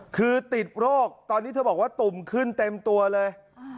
คือติดโรคตอนนี้เธอบอกว่าตุ่มขึ้นเต็มตัวเลย